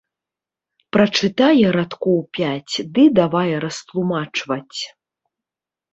Прачытае радкоў пяць ды давай растлумачваць.